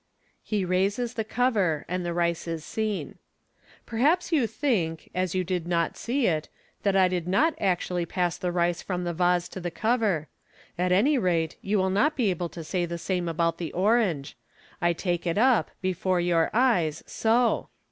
He raises the cover, and the rice is seen. " Perhaps you think, as you did not see it, that I did not actually pass the rice from the vase to the cover. At any rate, you will not be able to say the same about the orange. I take it up, before your eyes, so